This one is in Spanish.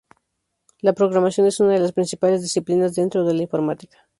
La programación es una de las principales disciplinas dentro de la informática.